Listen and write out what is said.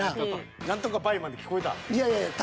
「何とかばい」まで聞こえた？